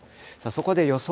そこで予想